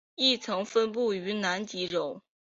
亦曾分布于南极洲。